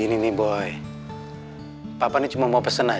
nih biar makin keteng